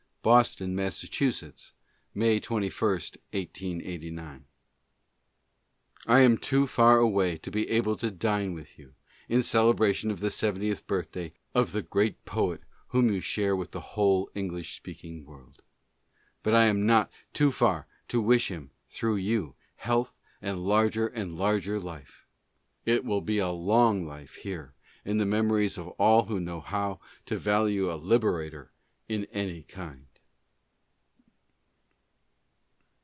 William Dean Howells: Boston, Mass., May 21, 1SS9. I am too far away to be able to dine with you in celebration of the seventieth birthday of the great poet whom you share with the whole English speaking world. But I am not too far to wish him, through you, health and larger and larger life. It will be a long life here in the memories of all who know how to value a liberator in anv kind.